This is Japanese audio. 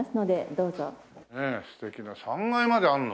ねえ素敵な３階まであるの？